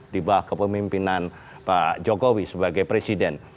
di bawah kepemimpinan pak jokowi sebagai presiden